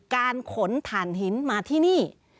การขนถ่านหินมาที่นี่